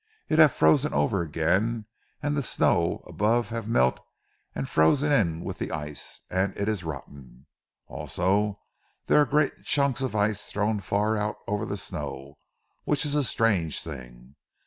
It hav' frozen over again, but ze snow about have melt an' frozen in with ze ice, an' it is rotten. Also dere are great chunks of ice thrown far out over ze snow, which is a strange thing....